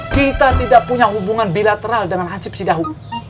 kita tidak punya hubungan bilateral dengan hasib sidahu